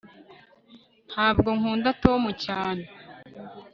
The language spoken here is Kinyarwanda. ntabwo nkunda tom cyane